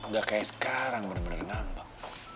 gak kayak sekarang bener bener nambang